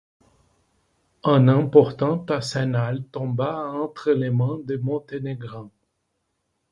Un important arsenal tomba entre les mains des Monténégrins.